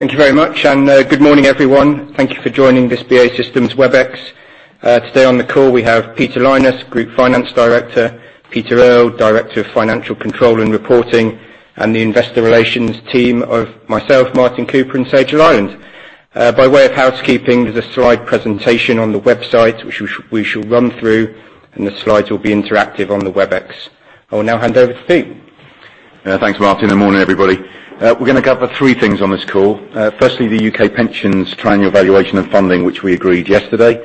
Good morning, everyone. Thank you for joining this BAE Systems Webex. Today on the call, we have Peter Lynas, Group Finance Director, Peter Earle, Director of Financial Control and Reporting, and the investor relations team of myself, Martin Cooper, and Sage Ireland. By way of housekeeping, there is a slide presentation on the website, which we shall run through, and the slides will be interactive on the Webex. I will now hand over to Pete. Thanks, Martin, morning, everybody. We are going to cover three things on this call. Firstly, the U.K. pensions triennial valuation of funding, which we agreed yesterday.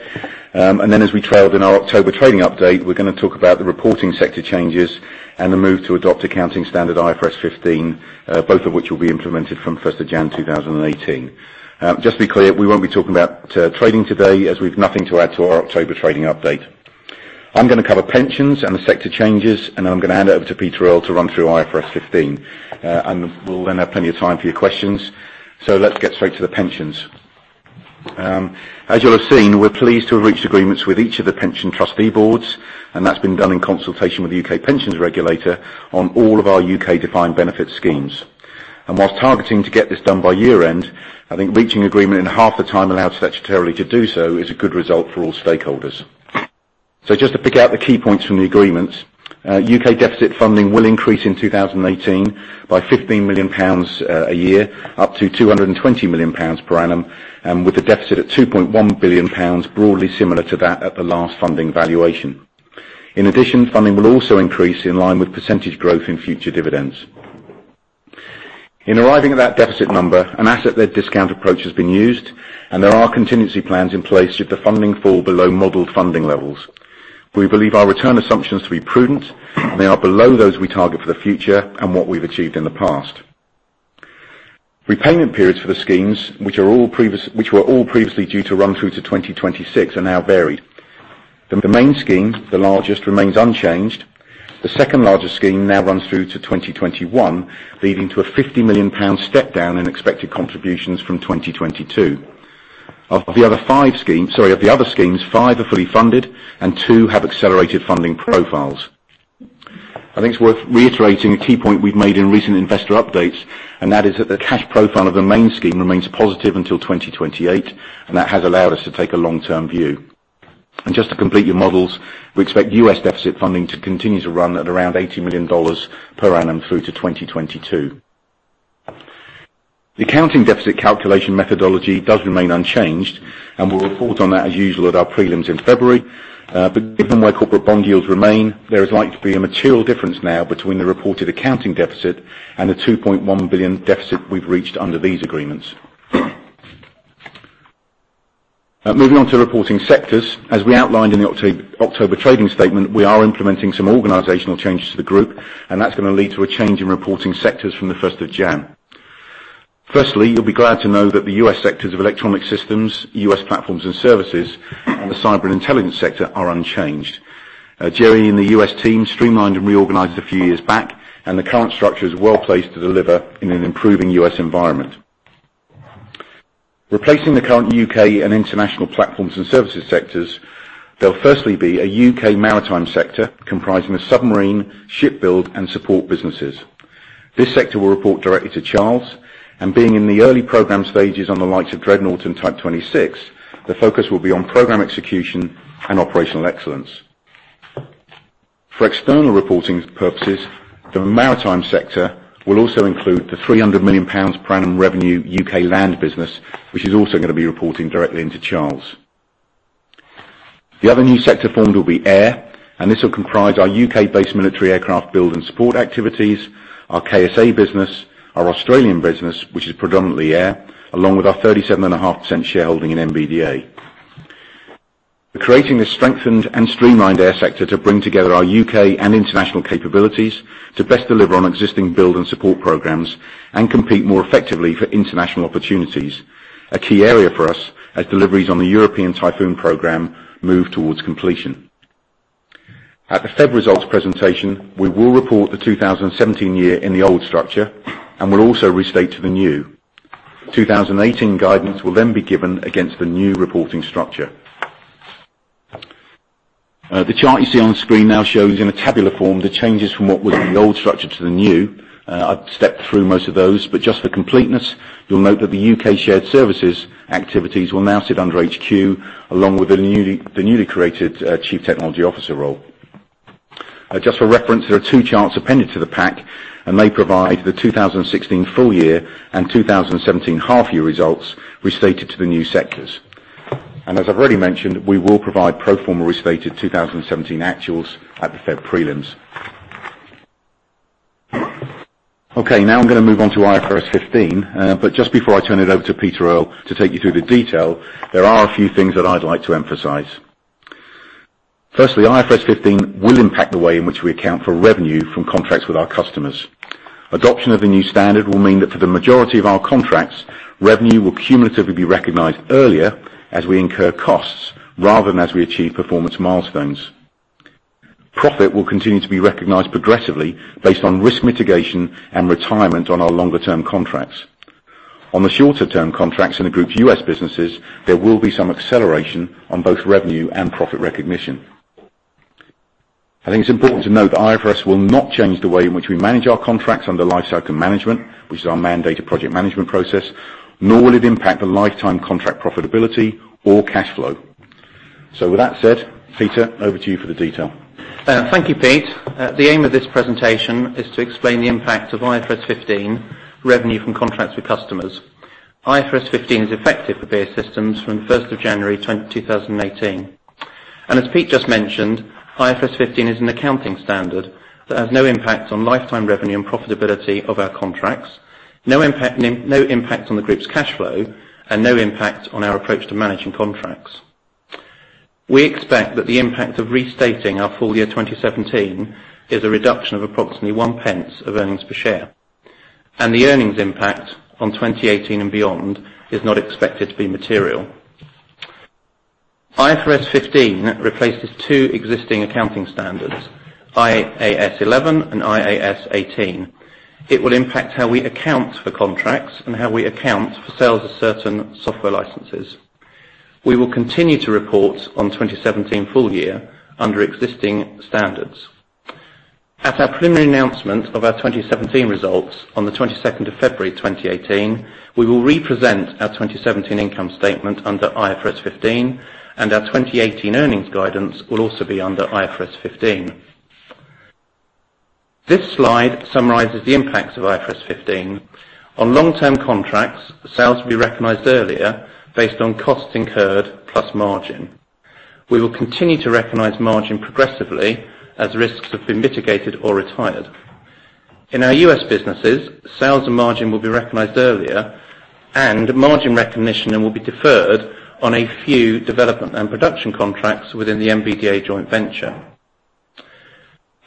Then as we trailed in our October trading update, we are going to talk about the reporting sector changes and the move to adopt accounting standard IFRS 15, both of which will be implemented from the 1st of January 2018. Just to be clear, we will not be talking about trading today, as we have nothing to add to our October trading update. I am going to cover pensions and the sector changes, and I am going to hand it over to Peter Earle to run through IFRS 15. We will then have plenty of time for your questions. Let us get straight to the pensions. As you will have seen, we are pleased to have reached agreements with each of the pension trustee boards, that has been done in consultation with the U.K. pensions regulator on all of our U.K. defined benefit schemes. Whilst targeting to get this done by year-end, I think reaching agreement in half the time allowed statutorily to do so is a good result for all stakeholders. Just to pick out the key points from the agreements, U.K. deficit funding will increase in 2018 by 15 million pounds a year, up to 220 million pounds per annum, with a deficit of 2.1 billion pounds, broadly similar to that at the last funding valuation. In addition, funding will also increase in line with percentage growth in future dividends. In arriving at that deficit number, an asset-led discount approach has been used, there are contingency plans in place should the funding fall below modeled funding levels. We believe our return assumptions to be prudent, they are below those we target for the future and what we have achieved in the past. Repayment periods for the schemes, which were all previously due to run through to 2026, are now varied. The main scheme, the largest, remains unchanged. The second largest scheme now runs through to 2021, leading to a 50 million pound step down in expected contributions from 2022. Of the other schemes, five are fully funded and two have accelerated funding profiles. I think it's worth reiterating a key point we've made in recent investor updates, that is that the cash profile of the main scheme remains positive until 2028, that has allowed us to take a long-term view. Just to complete your models, we expect U.S. deficit funding to continue to run at around $80 million per annum through to 2022. The accounting deficit calculation methodology does remain unchanged, we'll report on that as usual at our prelims in February. Given where corporate bond yields remain, there is likely to be a material difference now between the reported accounting deficit and the $2.1 billion deficit we've reached under these agreements. Moving on to reporting sectors. As we outlined in the October trading statement, we are implementing some organizational changes to the group, that's going to lead to a change in reporting sectors from the 1st of January. Firstly, you'll be glad to know that the U.S. sectors of Electronic Systems, U.S. Platforms & Services, and the Cyber & Intelligence sector are unchanged. Jerry and the U.S. team streamlined and reorganized a few years back, the current structure is well-placed to deliver in an improving U.S. environment. Replacing the current U.K. and international Platforms & Services sectors, there'll firstly be a U.K. Maritime sector comprising of submarine, ship build, and support businesses. This sector will report directly to Charles, being in the early program stages on the likes of Dreadnought and Type 26, the focus will be on program execution and operational excellence. For external reporting purposes, the Maritime sector will also include the 300 million pounds per annum revenue U.K. Land business, which is also going to be reporting directly into Charles. The other new sector formed will be Air, this will comprise our U.K.-based military aircraft build and support activities, our KSA business, our Australian business, which is predominantly Air, along with our 37.5% shareholding in MBDA. We're creating this strengthened and streamlined Air sector to bring together our U.K. and international capabilities to best deliver on existing build and support programs and compete more effectively for international opportunities. A key area for us as deliveries on the European Typhoon program move towards completion. At the February results presentation, we will report the 2017 year in the old structure will also restate to the new. 2018 guidance will be given against the new reporting structure. The chart you see on screen now shows in a tabular form the changes from what was the old structure to the new. I've stepped through most of those, just for completeness, you'll note that the U.K. shared services activities will now sit under HQ, along with the newly created chief technology officer role. Just for reference, there are two charts appended to the pack, they provide the 2016 full year and 2017 half year results restated to the new sectors. As I've already mentioned, we will provide pro forma restated 2017 actuals at the February prelims. I'm going to move on to IFRS 15, just before I turn it over to Peter Earle to take you through the detail, there are a few things that I'd like to emphasize. Firstly, IFRS 15 will impact the way in which we account for revenue from contracts with our customers. Adoption of the new standard will mean that for the majority of our contracts, revenue will cumulatively be recognized earlier as we incur costs rather than as we achieve performance milestones. Profit will continue to be recognized progressively based on risk mitigation and retirement on our longer-term contracts. On the shorter-term contracts in the group's U.S. businesses, there will be some acceleration on both revenue and profit recognition. I think it's important to note that IFRS will not change the way in which we manage our contracts under lifecycle management, which is our mandated project management process, nor will it impact the lifetime contract profitability or cash flow. With that said, Peter, over to you for the detail. Thank you, Pete. The aim of this presentation is to explain the impact of IFRS 15, revenue from contracts with customers. IFRS 15 is effective for BAE Systems from the 1st of January 2018. As Pete just mentioned, IFRS 15 is an accounting standard that has no impact on lifetime revenue and profitability of our contracts, no impact on the group's cash flow, and no impact on our approach to managing contracts. We expect that the impact of restating our full year 2017 is a reduction of approximately 0.01 of earnings per share. The earnings impact on 2018 and beyond is not expected to be material. IFRS 15 replaces two existing accounting standards, IAS 11 and IAS 18. It will impact how we account for contracts and how we account for sales of certain software licenses. We will continue to report on 2017 full year under existing standards. At our preliminary announcement of our 2017 results on the 22nd of February 2018, we will represent our 2017 income statement under IFRS 15, and our 2018 earnings guidance will also be under IFRS 15. This slide summarizes the impacts of IFRS 15. On long-term contracts, sales will be recognized earlier based on cost incurred plus margin. We will continue to recognize margin progressively as risks have been mitigated or retired. In our U.S. businesses, sales and margin will be recognized earlier, and margin recognition will be deferred on a few development and production contracts within the MBDA joint venture.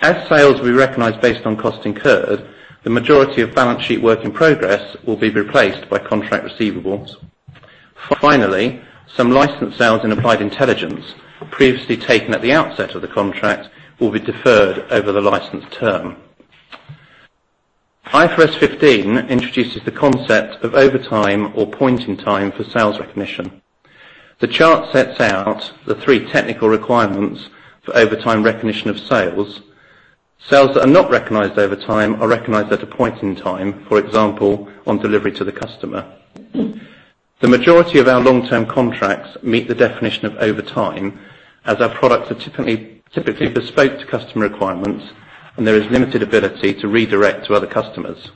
As sales we recognize based on cost incurred, the majority of balance sheet work in progress will be replaced by contract receivables. Finally, some license sales in Applied Intelligence, previously taken at the outset of the contract, will be deferred over the license term. IFRS 15 introduces the concept of over time or point in time for sales recognition. The chart sets out the three technical requirements for over time recognition of sales. Sales that are not recognized over time are recognized at a point in time, for example, on delivery to the customer. The majority of our long-term contracts meet the definition of over time, as our products are typically bespoke to customer requirements, and there is limited ability to redirect to other customers.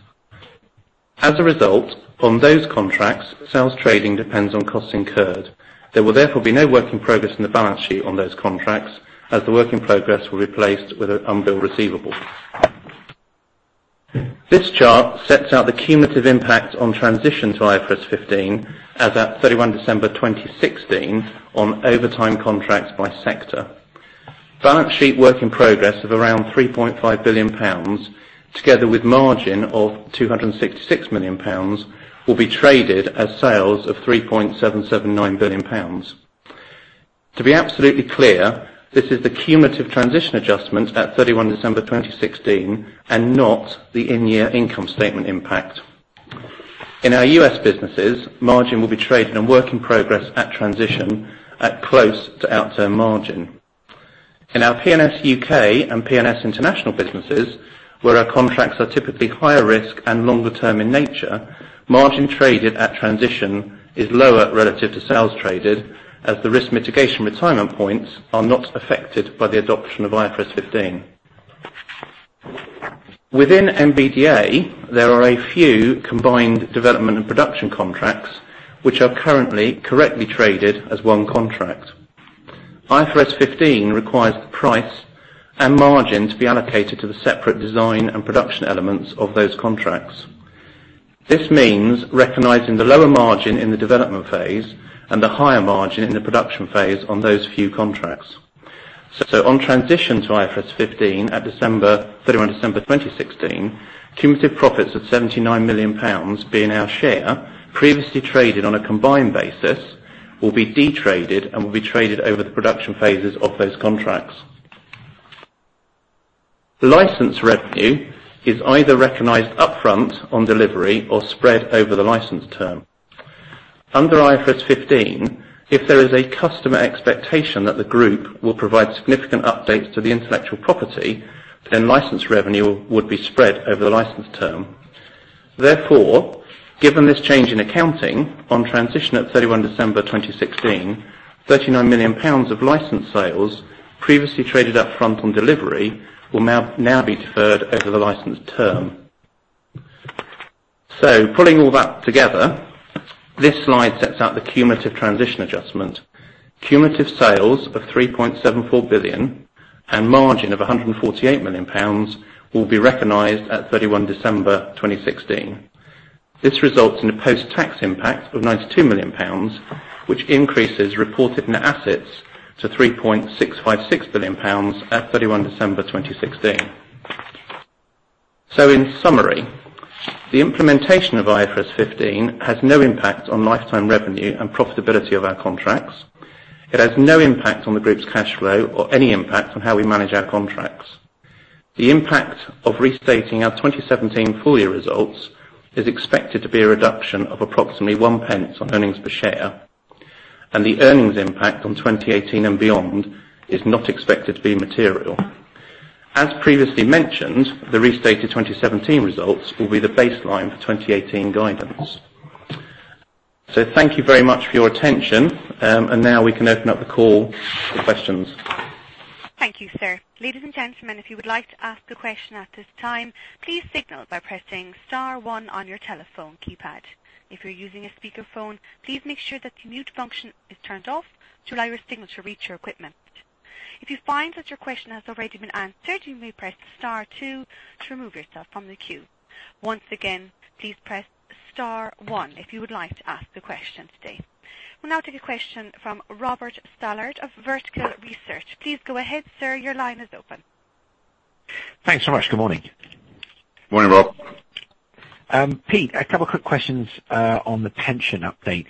As a result, on those contracts, sales trading depends on cost incurred. There will therefore be no work in progress in the balance sheet on those contracts as the work in progress will replaced with an unbilled receivable. This chart sets out the cumulative impact on transition to IFRS 15 as at December 31, 2016 on over time contracts by sector. Balance sheet work in progress of around 3.5 billion pounds, together with margin of 266 million pounds, will be traded as sales of 3.779 billion pounds. To be absolutely clear, this is the cumulative transition adjustment at December 31, 2016 and not the in-year income statement impact. In our U.S. businesses, margin will be traded and work in progress at transition at close to outturn margin. In our P&S U.K. and P&S International businesses, where our contracts are typically higher risk and longer term in nature, margin traded at transition is lower relative to sales traded as the risk mitigation retirement points are not affected by the adoption of IFRS 15. Within MBDA, there are a few combined development and production contracts which are currently correctly traded as one contract. IFRS 15 requires the price and margin to be allocated to the separate design and production elements of those contracts. This means recognizing the lower margin in the development phase and the higher margin in the production phase on those few contracts. On transition to IFRS 15 at December 31, 2016, cumulative profits of GBP 79 million being our share previously traded on a combined basis will be de-traded and will be traded over the production phases of those contracts. License revenue is either recognized upfront on delivery or spread over the license term. Under IFRS 15, if there is a customer expectation that the group will provide significant updates to the intellectual property, then license revenue would be spread over the license term. Therefore, given this change in accounting, on transition at December 31, 2016, 39 million pounds of license sales previously traded up front on delivery will now be deferred over the license term. Putting all that together, this slide sets out the cumulative transition adjustment. Cumulative sales of 3.74 billion and margin of 148 million pounds will be recognized at December 31, 2016. This results in a post-tax impact of GBP 92 million, which increases reported net assets to GBP 3.656 billion at December 31, 2016. In summary, the implementation of IFRS 15 has no impact on lifetime revenue and profitability of our contracts. It has no impact on the group's cash flow or any impact on how we manage our contracts. The impact of restating our 2017 full year results is expected to be a reduction of approximately 0.01 on earnings per share, and the earnings impact on 2018 and beyond is not expected to be material. As previously mentioned, the restated 2017 results will be the baseline for 2018 guidance. Thank you very much for your attention, and now we can open up the call for questions. Thank you, sir. Ladies and gentlemen, if you would like to ask a question at this time, please signal by pressing star one on your telephone keypad. If you're using a speakerphone, please make sure that the mute function is turned off to allow your signal to reach your equipment. If you find that your question has already been answered, you may press star two to remove yourself from the queue. Once again, please press star one if you would like to ask a question today. We'll now take a question from Robert Stallard of Vertical Research. Please go ahead, sir. Your line is open. Thanks so much. Good morning. Morning, Rob. Pete, a couple of quick questions on the pension update.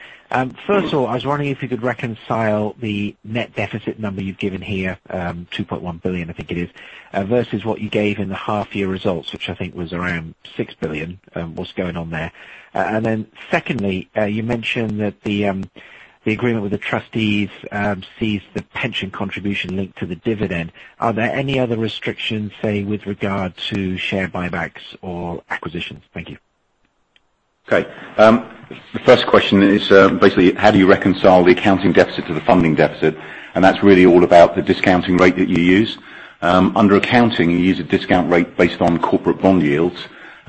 First of all, I was wondering if you could reconcile the net deficit number you've given here, 2.1 billion I think it is, versus what you gave in the half year results, which I think was around 6 billion. What's going on there? Secondly, you mentioned that the agreement with the trustees sees the pension contribution linked to the dividend. Are there any other restrictions, say, with regard to share buybacks or acquisitions? Thank you. Okay. That's really all about the discounting rate that you use. Under accounting, you use a discount rate based on corporate bond yields.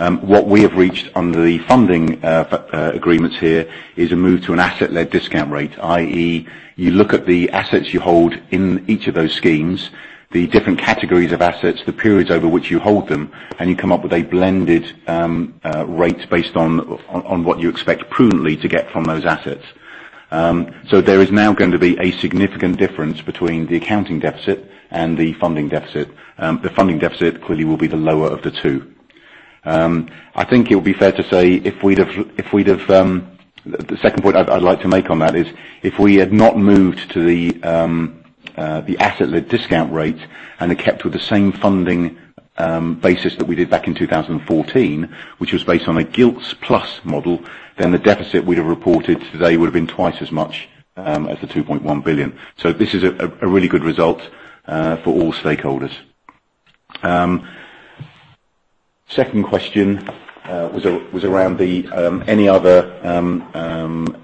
What we have reached under the funding agreements here is a move to an asset-led discount rate, i.e., you look at the assets you hold in each of those schemes, the different categories of assets, the periods over which you hold them, and you come up with a blended rate based on what you expect prudently to get from those assets. There is now going to be a significant difference between the accounting deficit and the funding deficit. The funding deficit clearly will be the lower of the two. The second point I'd like to make on that is, if we had not moved to the asset discount rate and had kept with the same funding basis that we did back in 2014, which was based on a gilts plus model, then the deficit we'd have reported today would've been twice as much as the 2.1 billion. This is a really good result for all stakeholders. Second question was around any other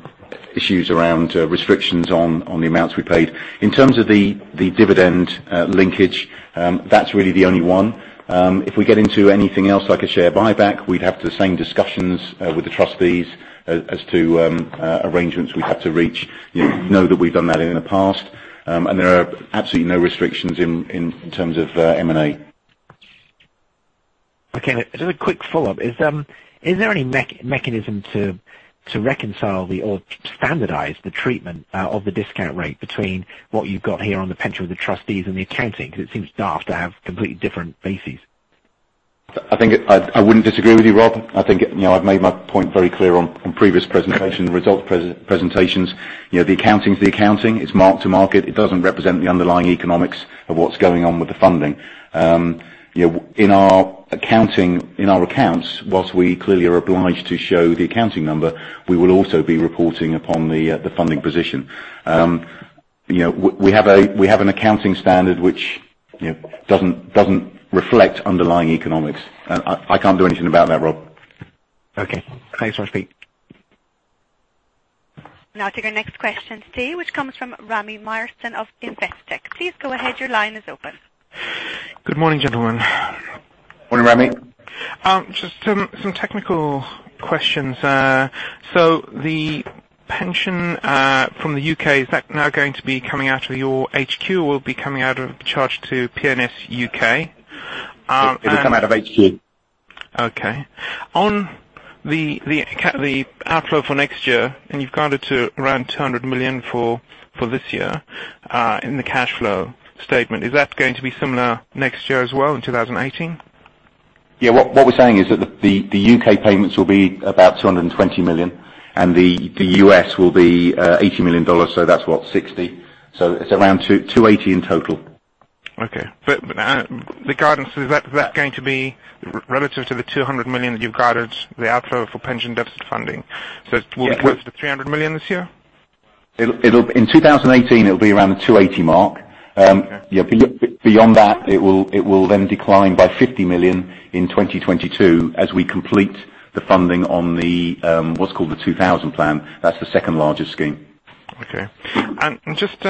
issues around restrictions on the amounts we paid. In terms of the dividend linkage, that's really the only one. If we get into anything else like a share buyback, we'd have the same discussions with the trustees as to arrangements we'd have to reach. You know that we've done that in the past. There are absolutely no restrictions in terms of M&A. Okay. Just a quick follow-up. Is there any mechanism to reconcile or to standardize the treatment of the discount rate between what you've got here on the pension with the trustees and the accounting? Because it seems daft to have completely different bases. I wouldn't disagree with you, Rob. I've made my point very clear on previous presentation results presentations. The accounting is the accounting. It's marked to market. It doesn't represent the underlying economics of what's going on with the funding. In our accounts, whilst we clearly are obliged to show the accounting number, we will also be reporting upon the funding position. We have an accounting standard which doesn't reflect underlying economics. I can't do anything about that, Rob. Okay. Thanks very much, Pete. Now to our next question today, which comes from Rami Myerson of Investec. Please go ahead. Your line is open. Good morning, gentlemen. Morning, Rami. Just some technical questions. The pension from the U.K., is that now going to be coming out of your HQ or will it be coming out of charge to P&S UK? It will come out of HQ. Okay. On the outflow for next year, you've guided to around 200 million for this year in the cash flow statement, is that going to be similar next year as well in 2018? Yeah. What we're saying is that the U.K. payments will be about 220 million and the U.S. will be $80 million, that's what? 60. It's around 280 in total. The guidance, is that going to be relative to the 200 million that you've guided the outflow for pension deficit funding? Will it be close to 300 million this year? In 2018, it'll be around the 280 mark. Okay. Beyond that, it will decline by 50 million in 2022 as we complete the funding on what's called the 2000 Plan. That's the second largest scheme. Just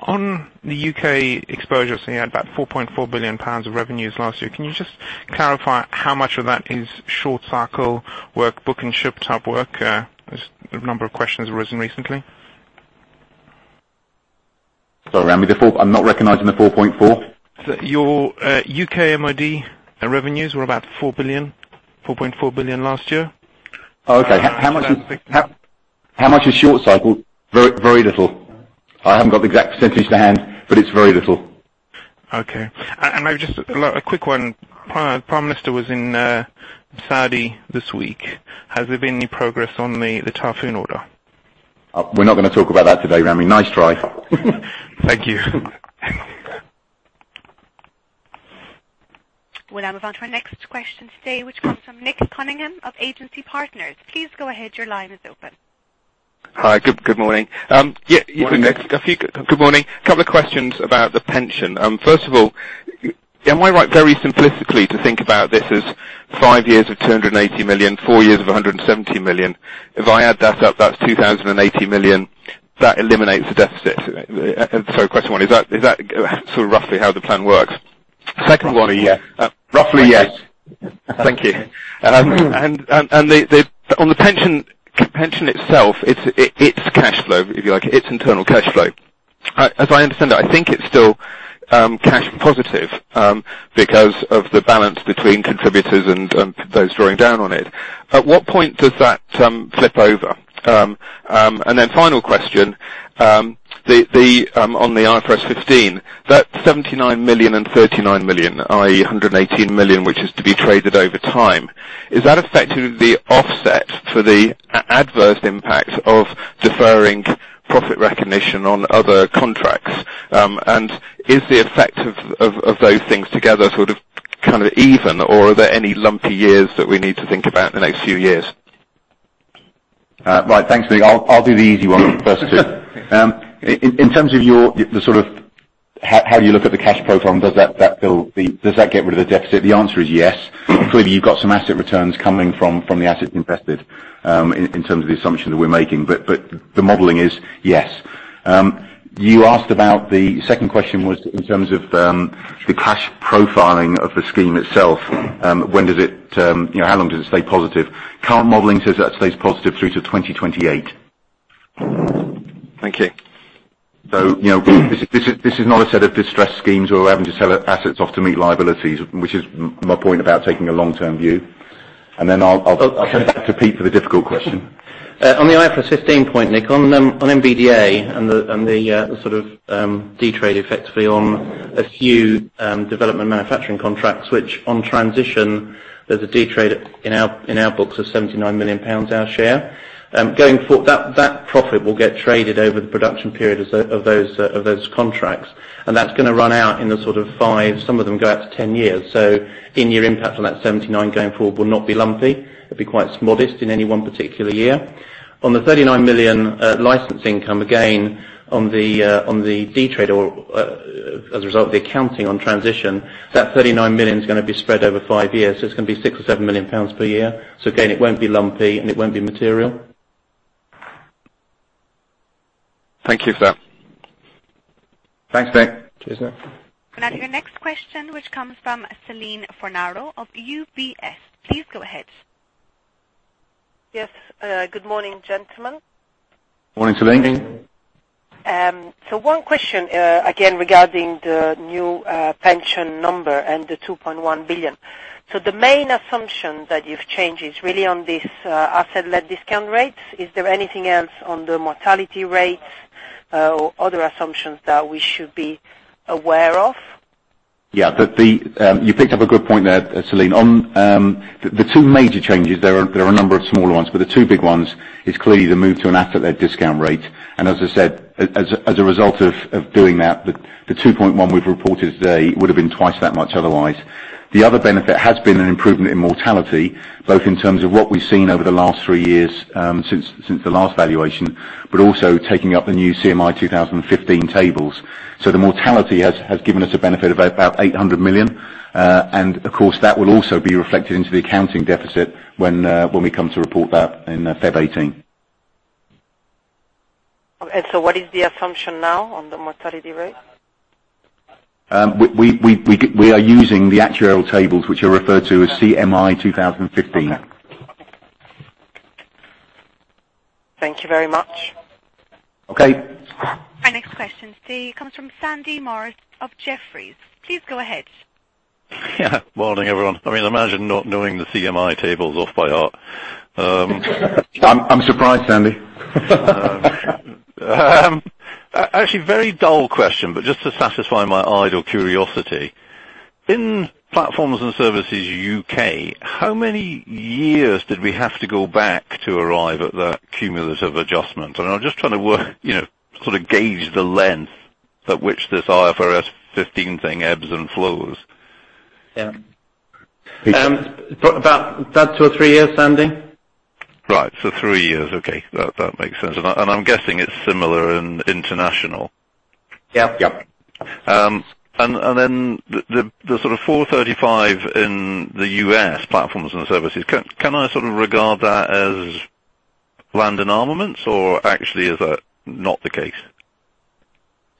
on the U.K. exposure, you had about 4.4 billion pounds of revenues last year. Can you just clarify how much of that is short cycle work, book and ship type work? A number of questions have risen recently. Sorry, Rami. I'm not recognizing the 4.4. Your U.K. MOD revenues were about 4.4 billion last year. Okay. How much is short cycle? Very little. I haven't got the exact % to hand, but it's very little. Okay. Maybe just a quick one. Prime Minister was in Saudi this week. Has there been any progress on the Typhoon order? We're not going to talk about that today, Rami. Nice try. Thank you. We'll now move on to our next question today, which comes from Nick Cunningham of Agency Partners. Please go ahead. Your line is open. Hi. Good morning. Morning. Yes, you can hear me. Good morning. A couple of questions about the pension. First of all, am I right very simplistically to think about this as five years of 280 million, four years of 170 million? If I add that up, that's 2,080 million. That eliminates the deficit. Question one, is that sort of roughly how the plan works? Roughly, yes. Roughly yes. Thank you. On the pension itself, its cash flow, if you like, its internal cash flow. As I understand it, I think it's still cash positive because of the balance between contributors and those drawing down on it. At what point does that flip over? Final question, on the IFRS 15, that 79 million and 39 million, i.e., 118 million, which is to be traded over time. Is that effectively the offset for the adverse impact of deferring profit recognition on other contracts? Is the effect of those things together sort of even, or are there any lumpy years that we need to think about in the next few years? Right. Thanks, Nick. I'll do the easy one first. In terms of how you look at the cash profile, does that get rid of the deficit? The answer is yes. Clearly, you've got some asset returns coming from the assets invested, in terms of the assumption that we're making. The modeling is yes. You asked about the second question was in terms of the cash profiling of the scheme itself. How long does it stay positive? Current modeling says that stays positive through to 2028. Thank you. This is not a set of distressed schemes where we are having to sell assets off to meet liabilities, which is my point about taking a long-term view. I will send it back to Pete for the difficult question. On the IFRS 15 point, Nick, on MBDA and the sort of de-trade effectively on a few development manufacturing contracts, which on transition, there is a de-trade in our books of 79 million pounds, our share. That profit will get traded over the production period of those contracts, and that is going to run out in the sort of five, some of them go out to 10 years. In-year impact on that 79 million going forward will not be lumpy. It will be quite modest in any one particular year. On the 39 million license income, again, on the de-trade, or as a result of the accounting on transition, that 39 million is going to be spread over five years. It is going to be 6 or 7 million pounds per year. Again, it will not be lumpy, and it will not be material. Thank you, sir. Thanks, Nick. Cheers, Nick. We'll now to your next question, which comes from Céline Fornaro of UBS. Please go ahead. Yes. Good morning, gentlemen. Morning, Céline. Morning. One question, again, regarding the new pension number and the 2.1 billion. The main assumption that you've changed is really on this asset-led discount rates. Is there anything else on the mortality rates or other assumptions that we should be aware of? You picked up a good point there, Céline. The two major changes, there are a number of smaller ones, but the two big ones is clearly the move to an asset-led discount rate. As I said, as a result of doing that, the 2.1 billion we've reported today would've been twice that much otherwise. The other benefit has been an improvement in mortality, both in terms of what we've seen over the last three years, since the last valuation, but also taking up the new CMI 2015 tables. The mortality has given us a benefit of about 800 million. Of course, that will also be reflected into the accounting deficit when we come to report that in February 2018. Okay. What is the assumption now on the mortality rate? We are using the actuarial tables, which are referred to as CMI 2015. Thank you very much. Okay. Our next question today comes from Sandy Morris of Jefferies. Please go ahead. Morning, everyone. Imagine not knowing the CMI tables off by heart. I'm surprised, Sandy. Actually, very dull question, but just to satisfy my idle curiosity. In Platforms & Services U.K., how many years did we have to go back to arrive at that cumulative adjustment? I'm just trying to work, sort of gauge the length at which this IFRS 15 thing ebbs and flows. Yeah. About two or three years, Sandy. Right. Three years. Okay. That makes sense. I'm guessing it's similar in international. Yep. Yep. The sort of 435 in the U.S. Platforms & Services, can I sort of regard that as Land & Armaments, or actually, is that not the case?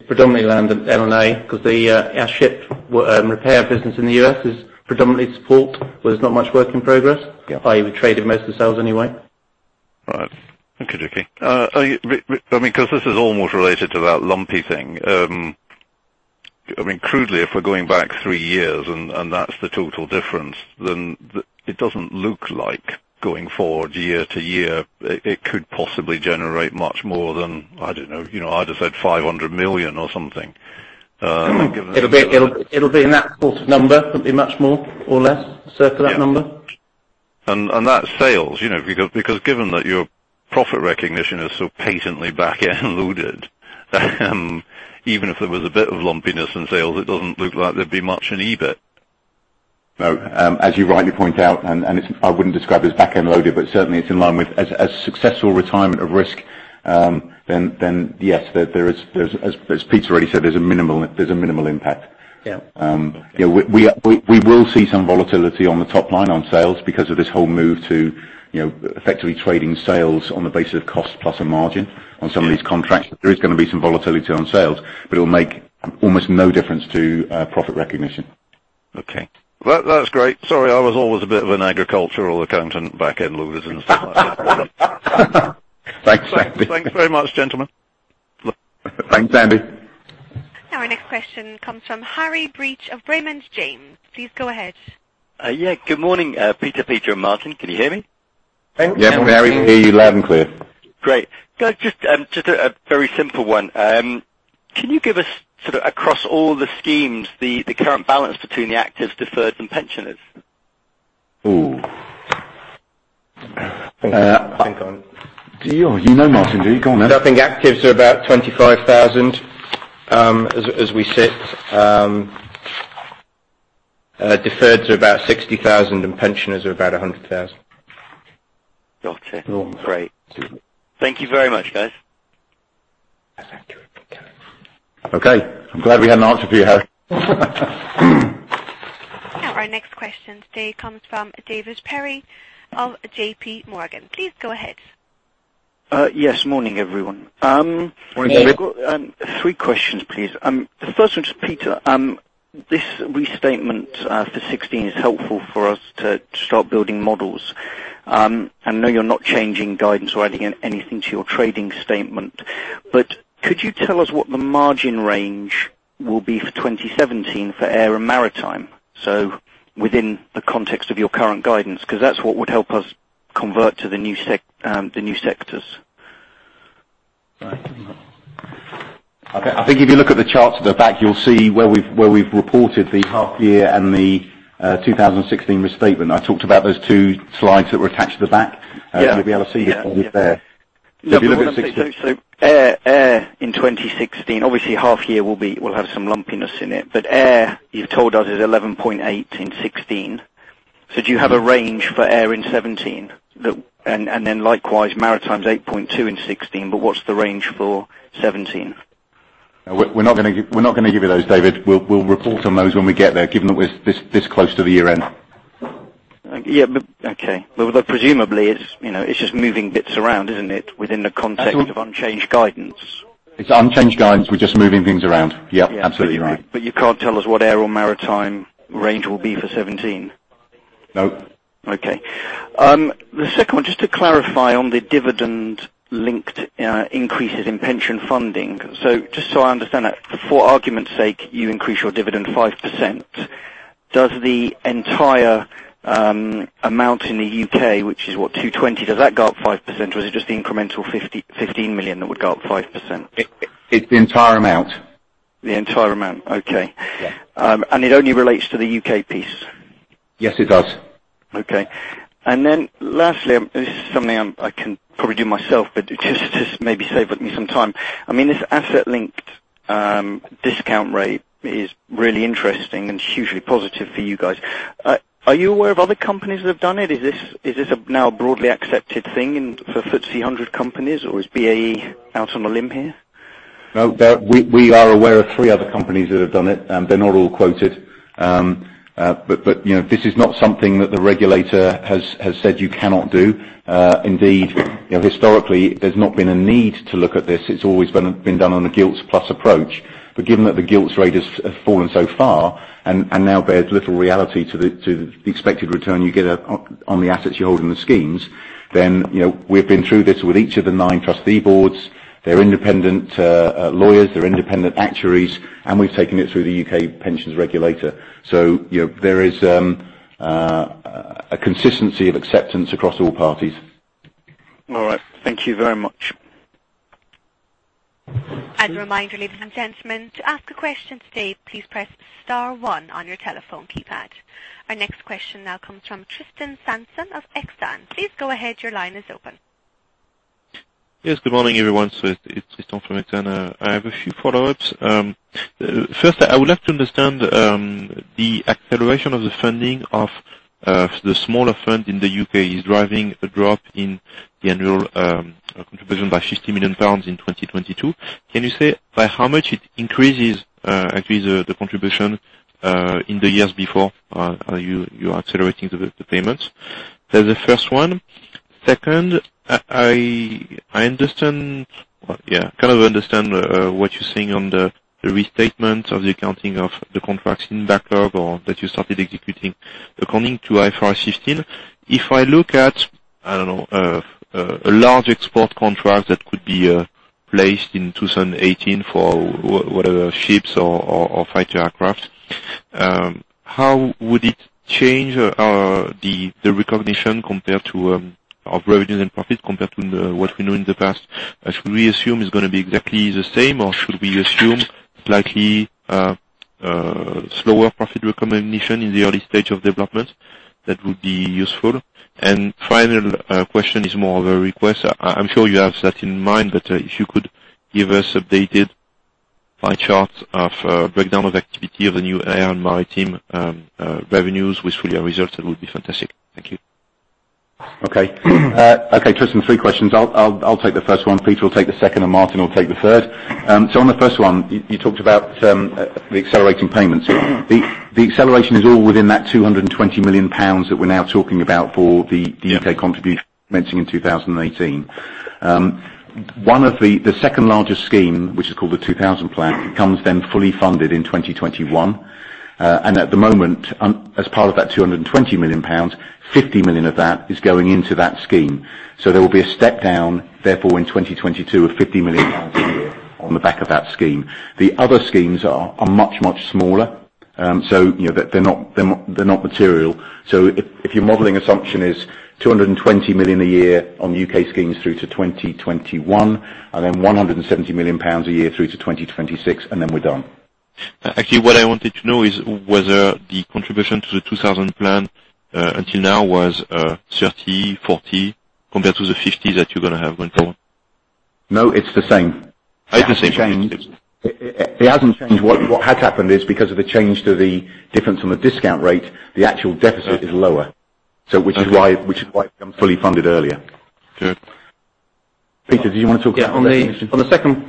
Predominantly land and L&A, because our ship repair business in the U.S. is predominantly support, where there's not much work in progress. Yeah. I.e., we trade it most of the sales anyway. Right. Okie-dokie. This is almost related to that lumpy thing. Crudely, if we're going back three years and that's the total difference, then it doesn't look like going forward year-to-year, it could possibly generate much more than, I don't know, I'd have said 500 million or something. It'll be in that sort of number. It wouldn't be much more or less, sir, for that number. That's sales. Because given that your profit recognition is so patently back-end loaded, even if there was a bit of lumpiness in sales, it doesn't look like there'd be much in EBIT. As you rightly point out, and I wouldn't describe it as back-end loaded, but certainly it's in line with successful retirement of risk, then yes. As Peter already said, there's a minimal impact. Yeah. We will see some volatility on the top line on sales because of this whole move to effectively trading sales on the basis of cost plus a margin on some of these contracts. There is going to be some volatility on sales, but it will make almost no difference to profit recognition. Okay. Well, that's great. Sorry, I was always a bit of an agricultural accountant, back-end loaders and stuff like that. Thanks, Sandy. Thanks very much, gentlemen. Thanks, Sandy. Our next question comes from Harry Breach of Raymond James. Please go ahead. Yeah. Good morning, Peter, Martin. Can you hear me? Thanks. Yes, Harry. We can hear you loud and clear. Great. Just a very simple one. Can you give us, sort of across all the schemes, the current balance between the actives, deferreds, and pensioners? Ooh. Hang on. You know, Martin, do you? Go on then. I think actives are about 25,000 as we sit. Deferred to about 60,000, pensioners are about 100,000. Got it. Normal. Great. Thank you very much, guys. That's accurate. Okay. I'm glad we had an answer for you, Harry. Our next question today comes from David Perry of JP Morgan. Please go ahead. Yes. Morning, everyone. Morning, David. Three questions, please. The first one is to Peter. This restatement for 2016 is helpful for us to start building models. I know you're not changing guidance or adding anything to your trading statement, but could you tell us what the margin range will be for 2017 for Air and maritime? Within the context of your current guidance, because that's what would help us convert to the new sectors. I think if you look at the charts at the back, you'll see where we've reported the half year and the 2016 restatement. I talked about those two slides that were attached at the back. Yeah. You'll be able to see it all there. Air in 2016, obviously half year will have some lumpiness in it. Air, you've told us, is 11.8 in 2016. Do you have a range for air in 2017? Likewise, maritime is 8.2 in 2016, but what's the range for 2017? We're not going to give you those, David. We'll report on those when we get there, given that we're this close to the year end. Yeah. Okay. Presumably it's just moving bits around, isn't it? Within the context of unchanged guidance. It's unchanged guidance. We're just moving things around. Yeah, absolutely right. You can't tell us what air or maritime range will be for 2017? No. Okay. The second one, just to clarify on the dividend-linked increases in pension funding. Just so I understand that, for argument's sake, you increase your dividend 5%. Does the entire amount in the U.K., which is what, 220, does that go up 5%, or is it just the incremental 15 million that would go up 5%? It's the entire amount. The entire amount. Okay. Yeah. It only relates to the U.K. piece? Yes, it does. Okay. Lastly, this is something I can probably do myself, but just to maybe save me some time. This asset-linked discount rate is really interesting and hugely positive for you guys. Are you aware of other companies that have done it? Is this a now broadly accepted thing for FTSE 100 companies, or is BAE out on a limb here? No. We are aware of three other companies that have done it. They're not all quoted. This is not something that the regulator has said you cannot do. Indeed, historically, there's not been a need to look at this. It's always been done on a gilts plus approach. Given that the gilts rate has fallen so far and now bears little reality to the expected return you get on the assets you hold in the schemes, we've been through this with each of the nine trustee boards, their independent lawyers, their independent actuaries, and we've taken it through the U.K. pensions regulator. There is a consistency of acceptance across all parties. All right. Thank you very much. As a reminder, ladies and gentlemen, to ask a question today, please press star one on your telephone keypad. Our next question now comes from Tristan Sanson of Exane. Please go ahead. Your line is open. Yes. Good morning, everyone. It's Tristan from Exane. I have a few follow-ups. First, I would like to understand the acceleration of the funding of the smaller fund in the U.K. is driving a drop in the annual contribution by 50 million pounds in 2022. Can you say by how much it increases, actually, the contribution in the years before you are accelerating the payments? That's the first one. Second, I kind of understand what you're saying on the restatement of the accounting of the contracts in backlog, or that you started executing according to IFRS 15. If I look at, I don't know, a large export contract that could be placed in 2018 for whatever ships or fighter aircraft, how would it change the recognition of revenues and profits compared to what we knew in the past? Should we assume it's going to be exactly the same, or should we assume slightly slower profit recognition in the early stage of development, that would be useful. Final question is more of a request. I'm sure you have that in mind, but if you could give us updated pie charts of breakdown of activity of the new air and maritime revenues with full-year results, that would be fantastic. Thank you. Okay. Okay, Tristan, three questions. I'll take the first one, Peter will take the second, and Martin will take the third. On the first one, you talked about the accelerating payments. The acceleration is all within that 220 million pounds that we're now talking about for the U.K. contribution commencing in 2018. The second-largest scheme, which is called the 2000 Plan, comes then fully funded in 2021. At the moment, as part of that 220 million pounds, pounds 50 million of that is going into that scheme. There will be a step down, therefore, in 2022 of 50 million pounds on the back of that scheme. The other schemes are much smaller. They're not material. If your modeling assumption is 220 million a year on U.K. schemes through to 2021, and then 170 million pounds a year through to 2026, and then we're done. Actually, what I wanted to know is whether the contribution to the 2000 Plan, until now was 30, 40, compared to the 50 that you're going to have going forward. No, it's the same. It's the same. It hasn't changed. What has happened is, because of the change to the difference in the discount rate, the actual deficit is lower. Okay. Which is why it became fully funded earlier. Good. Peter, do you want to talk about recognition? Yeah.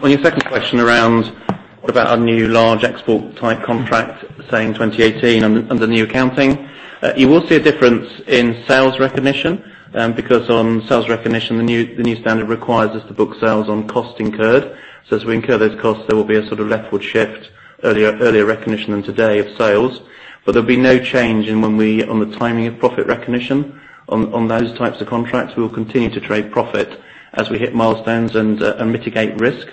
On your second question around about our new large export-type contract, saying 2018 under the new accounting, you will see a difference in sales recognition. On sales recognition, the new standard requires us to book sales on cost incurred. As we incur those costs, there will be a sort of backward shift, earlier recognition than today of sales. There'll be no change on the timing of profit recognition. On those types of contracts, we will continue to trade profit as we hit milestones and mitigate risk.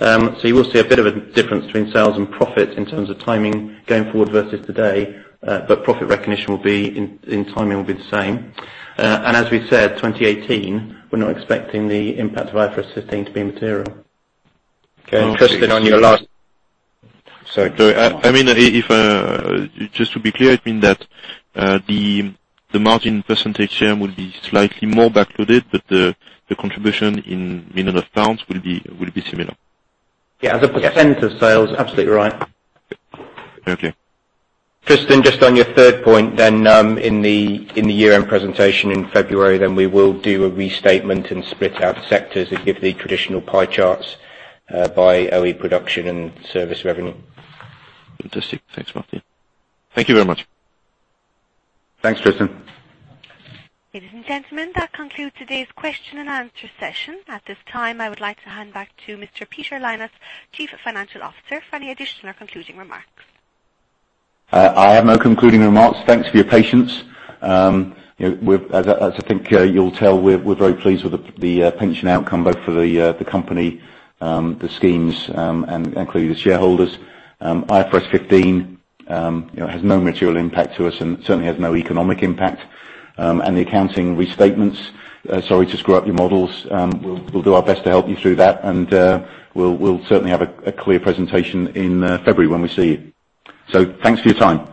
You will see a bit of a difference between sales and profit in terms of timing going forward versus today. Profit recognition in timing will be the same. As we said, 2018, we're not expecting the impact of IFRS 15 to be material. Okay, Tristan, Sorry, go on. I mean, just to be clear, it means that the margin % share will be slightly more backloaded, but the contribution in million pounds will be similar. Yeah. As a % of sales, absolutely right. Okay. Tristan, just on your third point then, in the year-end presentation in February, we will do a restatement and split out sectors and give the traditional pie charts by OE production and service revenue. Fantastic. Thanks, Martin. Thank you very much. Thanks, Tristan. Ladies and gentlemen, that concludes today's question and answer session. At this time, I would like to hand back to Mr. Peter Lynas, Chief Financial Officer, for any additional concluding remarks. I have no concluding remarks. Thanks for your patience. As I think you'll tell, we're very pleased with the pension outcome both for the company, the schemes, and including the shareholders. IFRS 15 has no material impact to us and certainly has no economic impact. The accounting restatements, sorry to screw up your models. We'll do our best to help you through that. We'll certainly have a clear presentation in February when we see you. Thanks for your time.